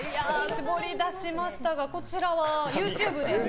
絞り出しましたがこちらはＹｏｕＴｕｂｅで？